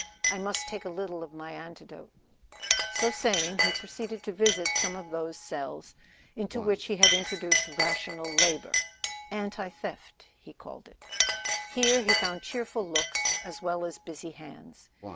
I must take a little of my antidote." So saying he proceeded to visit some of those cells into which he had introduced rational labor (anti theft he called it). Here he found cheerful looks as well as busy hands.